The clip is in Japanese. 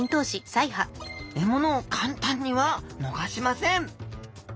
獲物を簡単には逃しません